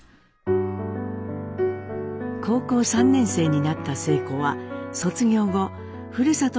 高校３年生になった晴子は卒業後ふるさと